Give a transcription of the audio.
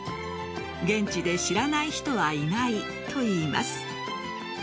現地で知らない人はいないといいます。